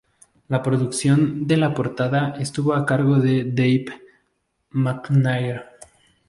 La producción de la portada estuvo a cargo de Dave McNair.